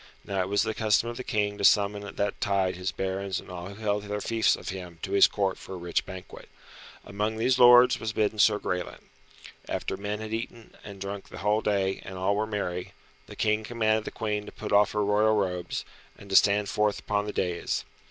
Now it was the custom of the King to summon at that tide his barons and all who held their fiefs of him to his Court for a rich banquet. Amongst these lords was bidden Sir Graelent. After men had eaten and drunk the whole day, and all were merry, the King commanded the Queen to put off her royal robes, and to stand forth upon the dais.